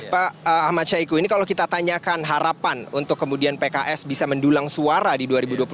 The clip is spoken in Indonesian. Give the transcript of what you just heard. pak ahmad syahiku ini kalau kita tanyakan harapan untuk kemudian pks bisa mendulang suara di dua ribu dua puluh empat